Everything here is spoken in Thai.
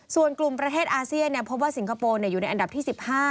ส่วนกลุ่มประเทศอาเซียนพบว่าสิงคโปร์อยู่ในอันดับที่๑๕